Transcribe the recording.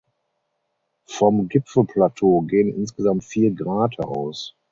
Vom Gipfelplateau gehen insgesamt vier Grate aus.